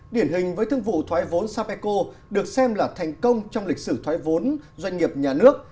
điển hình với thương vụ thoái vốn sapeco được xem là thành công trong lịch sử thoái vốn doanh nghiệp nhà nước